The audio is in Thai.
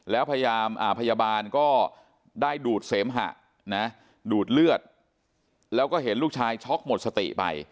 แล้วพยาบาลก็ได้ดูดเสมหะนะดูดเลือดแล้วก็เห็นลูกชายช็อกหมดสติไป